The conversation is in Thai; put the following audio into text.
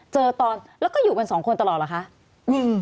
เจอตอนแล้วก็อยู่กันสองคนตลอดเหรอคะ